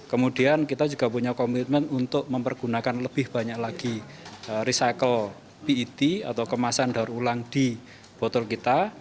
kemudian kita juga punya komitmen untuk mempergunakan lebih banyak lagi recycle pet atau kemasan daur ulang di botol kita